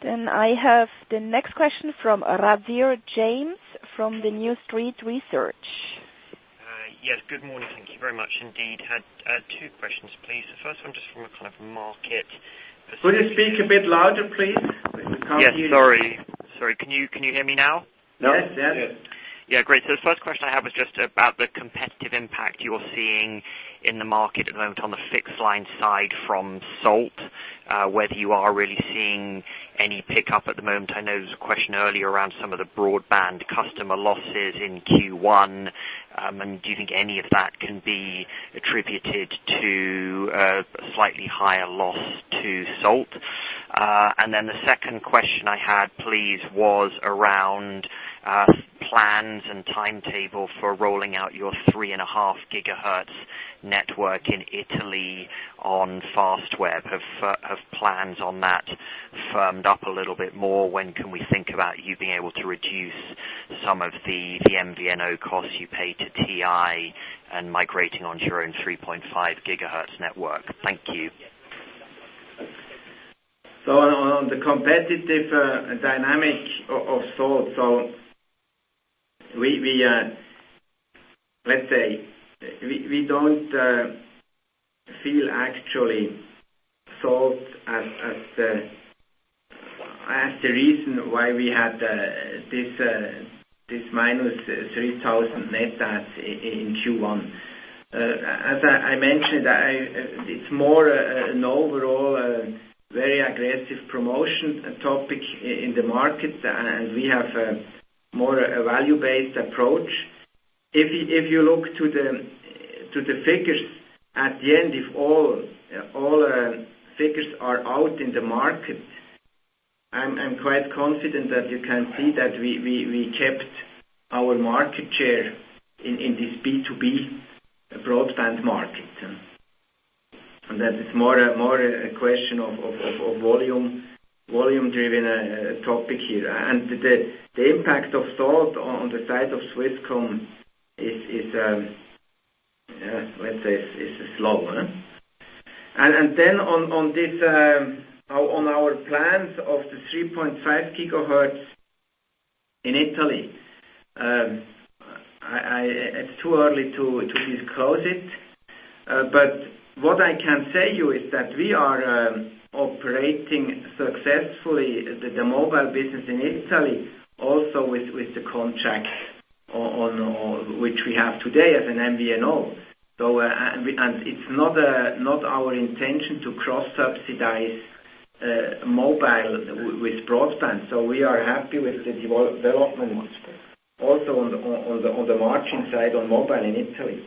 I have the next question from James Ratzer from the New Street Research. Yes, good morning. Thank you very much indeed. I have two questions, please. The first one just from a kind of market- Could you speak a bit louder, please? We can't hear you. Yes, sorry. Can you hear me now? Yes. Yeah, great. The first question I have is just about the competitive impact you're seeing in the market at the moment on the fixed line side from Salt, whether you are really seeing any pickup at the moment. I know there was a question earlier around some of the broadband customer losses in Q1. Do you think any of that can be attributed to a slightly higher loss to Salt? The second question I had, please, was around plans and timetable for rolling out your three and a half gigahertz network in Italy on Fastweb. Have plans on that firmed up a little bit more? When can we think about you being able to reduce some of the MVNO costs you pay to TIM and migrating onto your own 3.5 gigahertz network? Thank you. On the competitive dynamic of Salt, let's say, we don't feel actually Salt as the reason why we had this -3,000 net adds in Q1. As I mentioned, it's more an overall very aggressive promotion topic in the market, and we have more a value-based approach. If you look to the figures, at the end, if all figures are out in the market I'm quite confident that you can see that we kept our market share in this B2B broadband market. That is more a question of volume-driven topic here. The impact of Salt on the side of Swisscom is, let's say, is slow. On our plans of the 3.5 gigahertz in Italy. It's too early to disclose it. What I can tell you is that we are operating successfully the mobile business in Italy, also with the contract which we have today as an MVNO. It's not our intention to cross-subsidize mobile with broadband. We are happy with the development also on the margin side on mobile in Italy.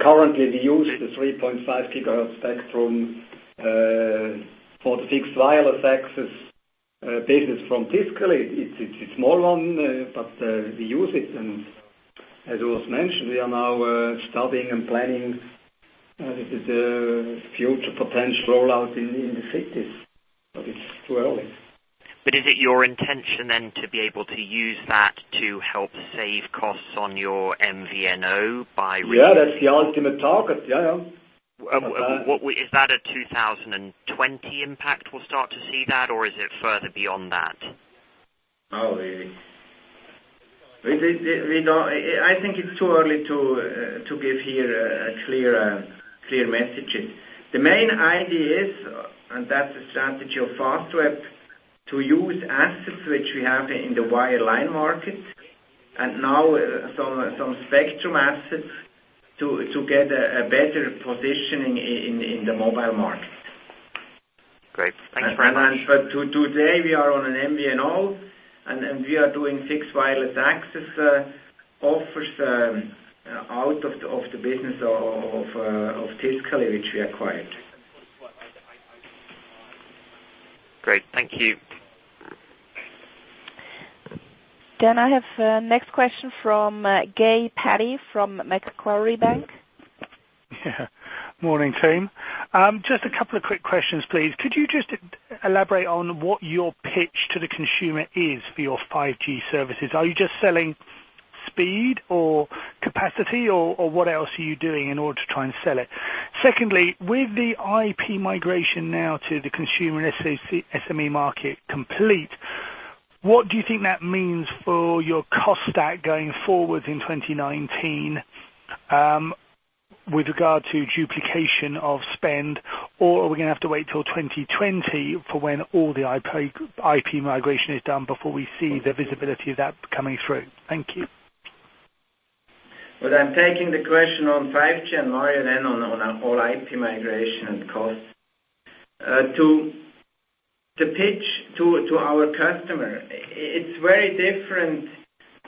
Currently, we use the 3.5 gigahertz spectrum for the fixed wireless access business from Tiscali. It's a small one, but we use it. As was mentioned, we are now studying and planning the future potential rollout in the cities. It's too early. Is it your intention then to be able to use that to help save costs on your MVNO? Yeah, that's the ultimate target. Is that a 2020 impact we'll start to see that, or is it further beyond that? I think it's too early to give here a clear message. The main idea is, and that's the strategy of Fastweb, to use assets which we have in the wireline market, and now some spectrum assets to get a better positioning in the mobile market. Great. Thank you very much. Today we are on an MVNO, and we are doing fixed-wireless access offers out of the business of Tiscali, which we acquired. Great. Thank you. I have next question from Guy Peddy from Macquarie Group. Morning, team. Just a couple of quick questions, please. Could you just elaborate on what your pitch to the consumer is for your 5G services? Are you just selling speed or capacity, or what else are you doing in order to try and sell it? Secondly, with the IP migration now to the consumer SME market complete, what do you think that means for your cost stack going forward in 2019, with regard to duplication of spend? Are we going to have to wait till 2020 for when all the IP migration is done before we see the visibility of that coming through? Thank you. I'm taking the question on 5G and more than on our whole IP migration and costs. To pitch to our customer, it's very different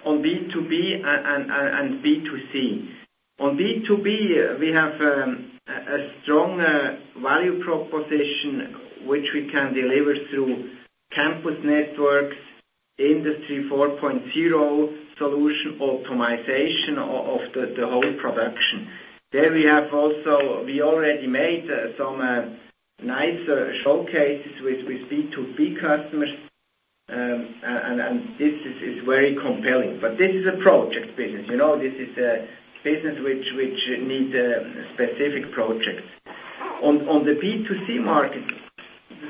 on B2B and B2C. On B2B, we have a strong value proposition which we can deliver through campus networks, Industry 4.0 solution optimization of the whole production. There we already made some nice showcases with B2B customers, and this is very compelling. This is a project business. This is a business which need specific projects. On the B2C market,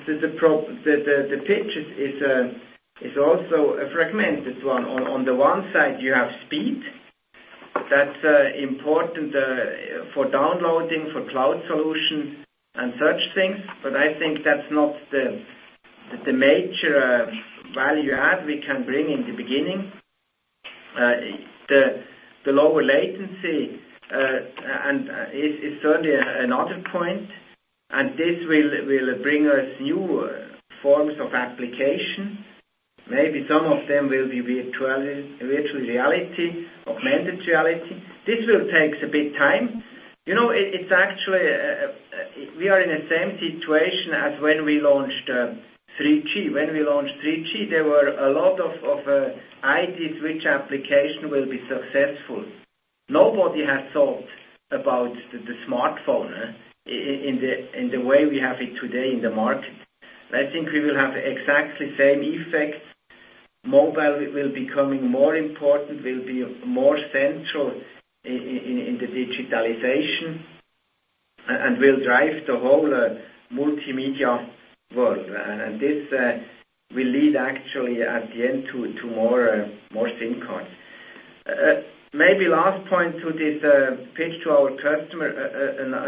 the pitch is also a fragmented one. On the one side, you have speed. That's important for downloading, for cloud solutions, and such things. I think that's not the major value add we can bring in the beginning. The lower latency is certainly another point, and this will bring us new forms of application. Maybe some of them will be virtual reality, augmented reality. This will take a bit time. We are in the same situation as when we launched 3G. When we launched 3G, there were a lot of ideas which application will be successful. Nobody had thought about the smartphone in the way we have it today in the market. I think we will have exactly the same effects. Mobile will becoming more important, will be more central in the digitalization, and will drive the whole multimedia world. This will lead actually at the end to more SIM cards. Maybe last point to this pitch to our customer.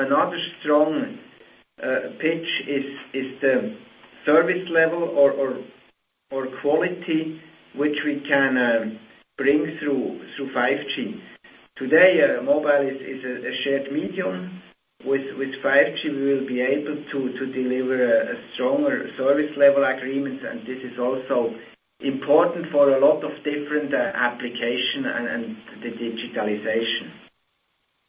Another strong pitch is the service level or quality, which we can bring through 5G. Today, mobile is a shared medium. With 5G, we will be able to deliver a stronger service level agreement. This is also important for a lot of different application and the digitalization.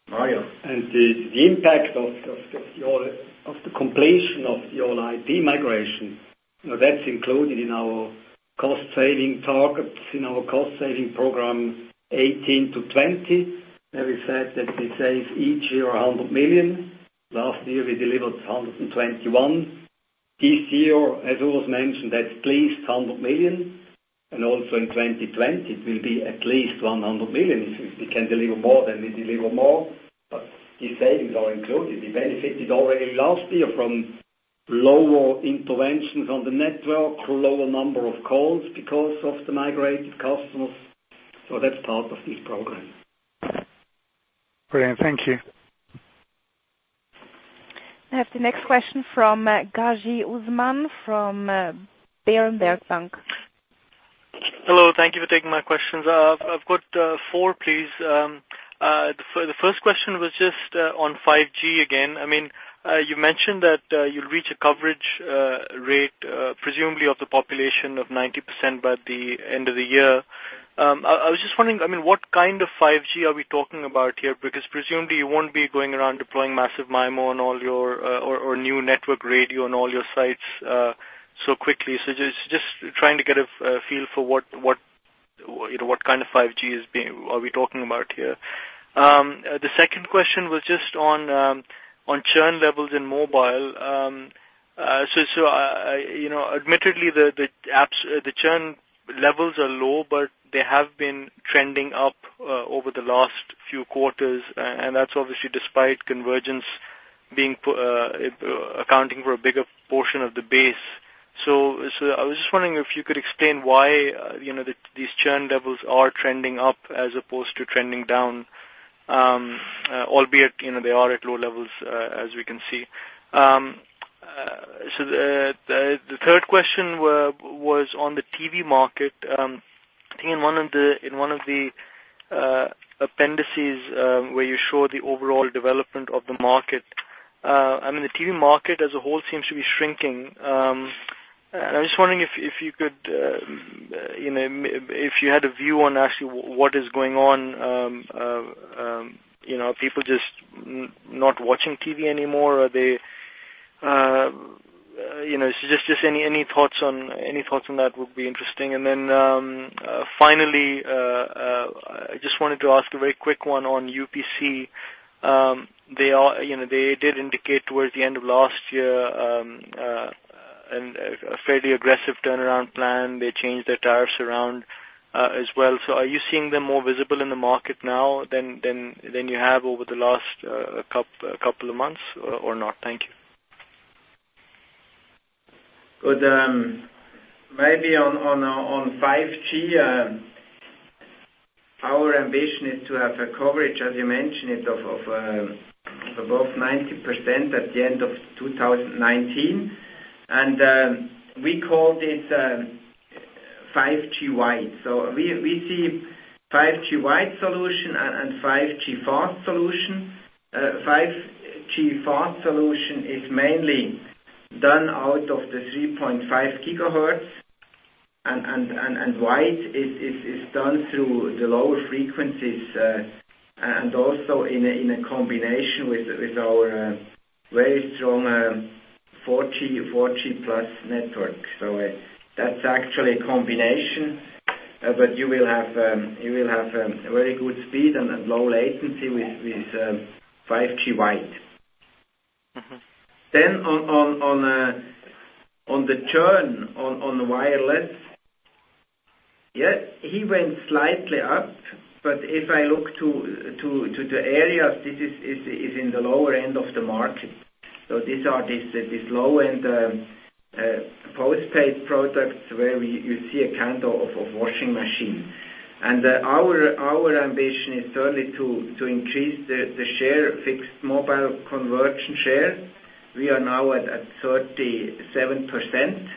Mario. The impact of the completion of the All-IP migration, that's included in our cost saving targets, in our cost saving program 2018 to 2020, where we said that we save each year 100 million. Last year, we delivered 121 million. This year, as Urs mentioned, that's at least 100 million, and also in 2020, it will be at least 100 million. If we can deliver more, then we deliver more, but these savings are included. We benefited already last year from lower interventions on the network, lower number of calls because of the migrated customers. That's part of this program. Brilliant. Thank you. I have the next question from Usman Ghazi from Berenberg Bank. Hello. Thank you for taking my questions. I've got four, please. The first question was just on 5G again. You mentioned that you'll reach a coverage rate, presumably of the population of 90% by the end of the year. I was just wondering what kind of 5G are we talking about here? Because presumably you won't be going around deploying massive MIMO or new network radio on all your sites so quickly. Just trying to get a feel for what kind of 5G are we talking about here. The second question was just on churn levels in mobile. Admittedly, the churn levels are low, but they have been trending up over the last few quarters, and that's obviously despite convergence accounting for a bigger portion of the base. I was just wondering if you could explain why these churn levels are trending up as opposed to trending down, albeit, they are at low levels as we can see. The third question was on the TV market. I think in one of the appendices where you show the overall development of the market. The TV market as a whole seems to be shrinking. I was just wondering if you had a view on actually what is going on. Are people just not watching TV anymore? Just any thoughts on that would be interesting. Finally, I just wanted to ask a very quick one on UPC. They did indicate towards the end of last year a fairly aggressive turnaround plan. They changed their tariffs around as well. Are you seeing them more visible in the market now than you have over the last couple of months or not? Thank you. On 5G, our ambition is to have a coverage, as you mentioned, of above 90% at the end of 2019. We called it 5G wide. We see 5G wide solution and 5G fast solution. 5G fast solution is mainly done out of the 3.5 gigahertz, wide is done through the lower frequencies, also in a combination with our very strong 4G+ network. That's actually a combination. You will have very good speed and low latency with 5G wide. On the churn on wireless. It went slightly up, if I look to the area, this is in the lower end of the market. These are these low-end postpaid products where you see a count of washing machine. Our ambition is certainly to increase the share of fixed mobile conversion share. We are now at 37%,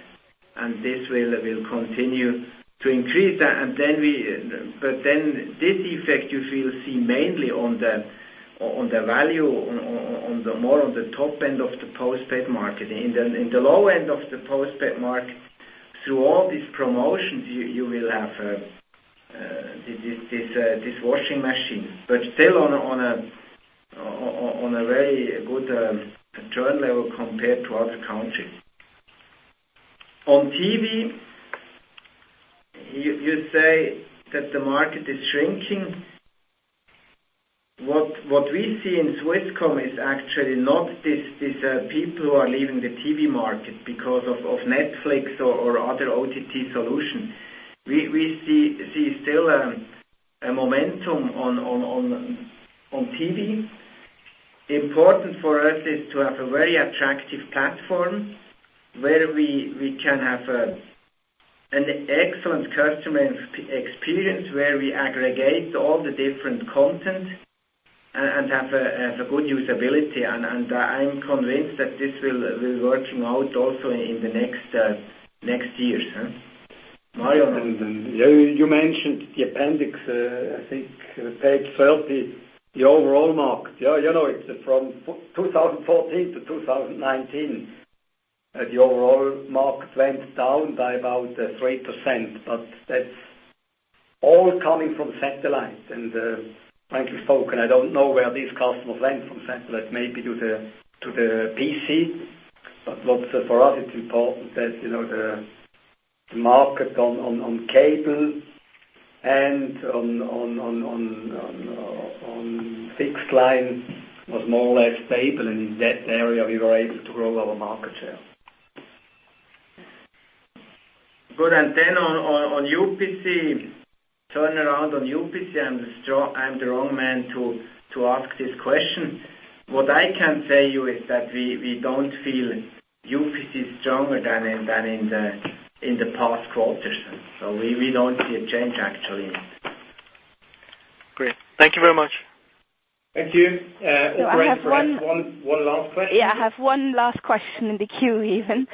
this will continue to increase. This effect you feel see mainly on the value, more on the top end of the postpaid market. In the low end of the postpaid market, through all these promotions, you will have this washing machine, still on a very good churn level compared to other countries. On TV, you say that the market is shrinking. What we see in Swisscom is actually not these people who are leaving the TV market because of Netflix or other OTT solution. We see still a momentum on TV. Important for us is to have a very attractive platform where we can have an excellent customer experience, where we aggregate all the different content and have a good usability. I am convinced that this will be working out also in the next years. Mario. You mentioned the appendix, I think page 30, the overall market. It's from 2014 to 2019. The overall market went down by about 3%, that's all coming from satellite. Frankly spoken, I don't know where these customers went from satellite. To the PC. For us, it's important that the market on cable and on fixed line was more or less stable. In that area, we were able to grow our market share. On UPC, turnaround on UPC, I'm the wrong man to ask this question. What I can tell you is that we don't feel UPC is stronger than in the past quarters. We don't see a change, actually. Great. Thank you very much. Thank you. I have. One last question. Yeah, I have one last question in the queue even.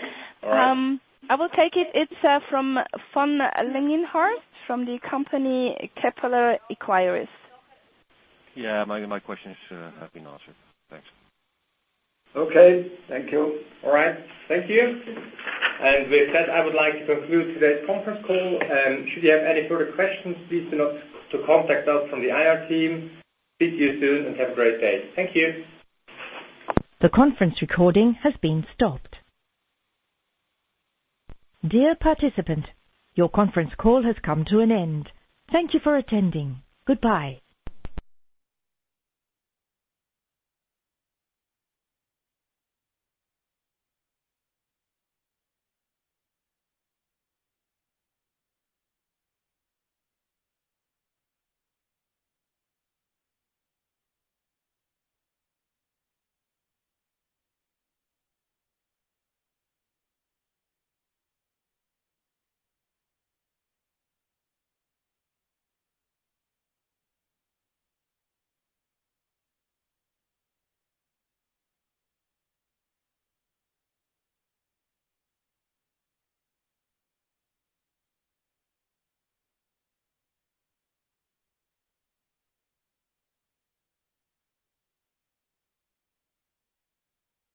All right. I will take it. It's from Von Lingenhorth, from the company Kepler Cheuvreux. Yeah, my questions have been answered. Thanks. Okay, thank you. All right, thank you. With that, I would like to conclude today's conference call. Should you have any further questions, please do not to contact us from the IR team. Speak to you soon, and have a great day. Thank you. The conference recording has been stopped. Dear participant, your conference call has come to an end. Thank you for attending. Goodbye.